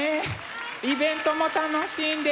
イベントも楽しんでね！